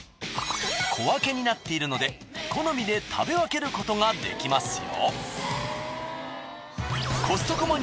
小分けになっているので好みで食べ分けることができますよ。